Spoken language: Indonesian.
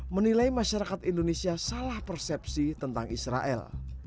menilai masyarakat indonesia salah persepsi tentang israel